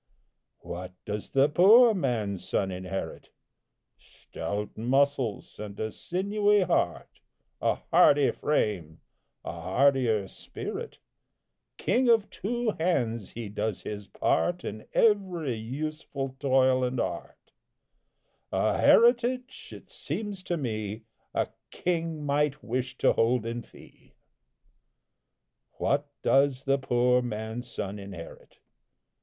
What does the poor man's son inherit? Stout muscles and a sinewy heart, A hardy frame, a hardier spirit, King of two hands he does his part In every useful toil and art; A heritage, it seems to me, A king might wish to hold in fee. What does the poor man's son inherit?